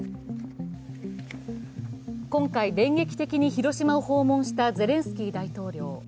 今回、電撃的に広島を訪問したゼレンスキー大統領。